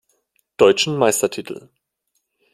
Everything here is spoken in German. Deutschen Meistertitel.